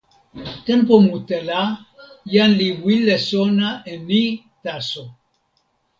tenpo mute la, jan li wile sona e ni taso.